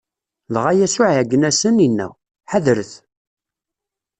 Dɣa Yasuɛ iɛeggen-asen, inna: Ḥadret!